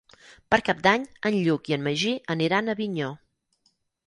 Per Cap d'Any en Lluc i en Magí aniran a Avinyó.